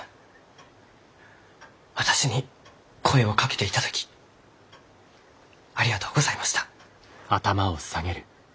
私に声をかけていただきありがとうございました。